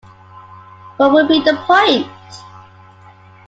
What would be the point?